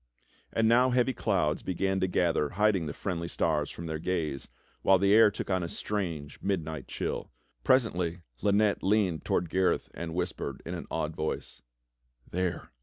And now heavy clouds began to gather hiding the friendly stars from their gaze, while the air took on a strange, midnight chill. Pres ently Lynette leaned toward Gareth and whispered in an awed voice: "There!"